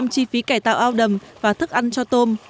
năm mươi chi phí cải tạo ao đầm và thức ăn cho tôm